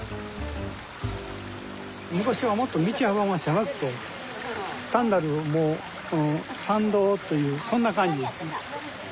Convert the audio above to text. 昔はもっと道幅が狭くて単なる参道というそんな感じですね。